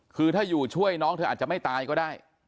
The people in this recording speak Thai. คือถ้าอยู่ช่วยน้องเธออาจจะไม่ตายก็ได้